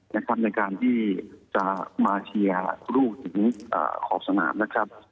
เป็นความในการที่จะมาเชียรูปอย่างนี้ขอบสมัครนะครับ